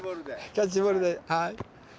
キャッチボールではい。